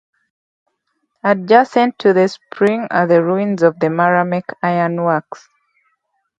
Adjacent to the spring are the ruins of the Maramec Iron Works.